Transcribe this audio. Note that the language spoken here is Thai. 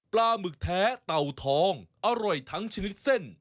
หมึกแท้เต่าทองอร่อยทั้งชนิดเส้น